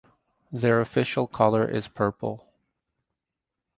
Their official color is purple.